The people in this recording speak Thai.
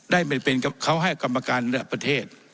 ได้ไม่เป็นเขาให้กรรมการระดับประเทศ